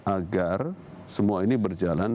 agar semua ini berjalan